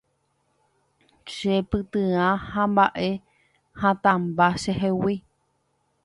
che pyti'a ha mba'e hatãmba chehegui